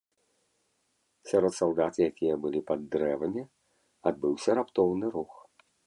Сярод салдат, якія былі пад дрэвамі, адбыўся раптоўны рух.